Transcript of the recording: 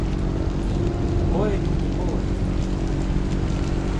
Ні, такої він ніколи не знав.